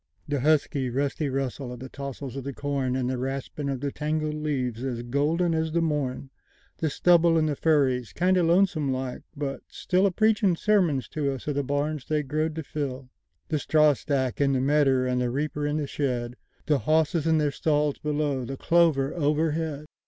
The husky, rusty russel of the tossels of the corn, And the raspin' of the tangled leaves as golden as the morn; The stubble in the furries—kindo' lonesome like, but stillA preachin' sermuns to us of the barns they growed to fill; The strawstack in the medder, and the reaper in the shed; The hosses in theyr stalls below—the clover overhead!